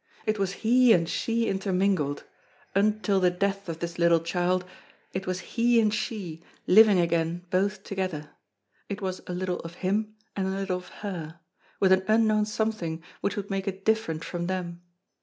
It was he and she intermingled; until the death of this little child, it was he and she, living again both together; it was a little of him, and a little of her, with an unknown something which would make it different from them.